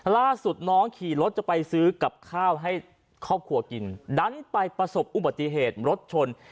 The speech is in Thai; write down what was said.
ล่าสุดน้องขี่รถจะไปซื้อกับข้าวให้ครอบครัวกินดันไปประสบอุบัติเหตุรถชน